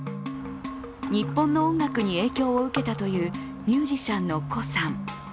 日本の音楽に影響を受けたというミュージシャンの胡さん。